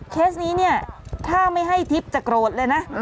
เคสนี้ถ้าไม่ให้ทิศจะโกรธเลยนะ